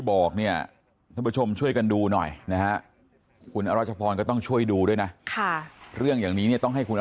บรรจุใส่โรงเย็น